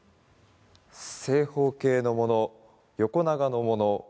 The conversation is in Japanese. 正方形のもの横長のもの